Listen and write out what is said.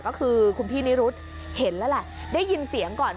ก็คือคุณพี่นิรุธเห็นแล้วแหละได้ยินเสียงก่อน